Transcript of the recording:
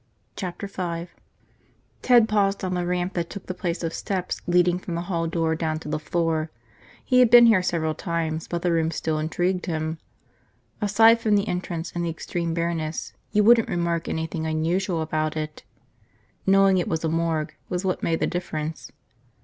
Chapter Five TED paused on the ramp that took the place of steps leading from the hall door down to the floor. He had been here several times but the room still intrigued him. Aside from the entrance and the extreme bareness, you wouldn't remark anything unusual about it. Knowing it was a morgue was what made the difference.